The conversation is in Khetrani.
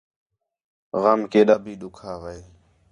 غم کیݙا بھی ݙُکھا وے